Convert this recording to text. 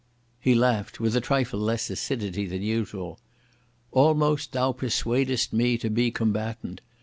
He laughed with a trifle less acidity than usual. "Almost thou persuadest me to be combatant.